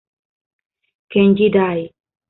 Kenji Dai